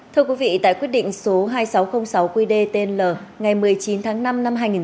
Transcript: thưa quý vị tại quyết định số hai nghìn sáu trăm linh sáu qdtnl ngày một mươi chín tháng năm năm hai nghìn hai mươi một